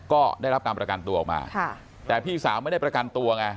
ก็ได้รับการประกันตัวออกมาแต่พี่สาวไม่ได้ประกันตัวไง